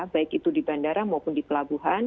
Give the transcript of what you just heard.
baik itu di bandara maupun di pelabuhan